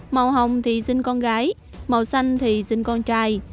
màu hồng thì sinh con gái màu xanh thì sinh con trai